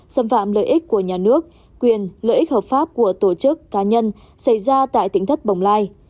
xâm phạm lợi ích của nhà nước quyền lợi ích hợp pháp của tổ chức cá nhân xảy ra tại tỉnh thất bồng lai